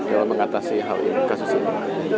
dalam mengatasi hal kasus ini